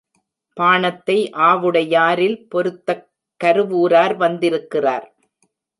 பாணத்தை ஆவுடையாரில் பொருத்தக் கருவூரார் வந்திருக்கிறார்.